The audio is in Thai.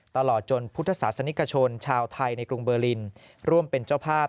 ตลอดจนพุทธศาสนิกชนชาวไทยในกรุงเบอร์ลินร่วมเป็นเจ้าภาพ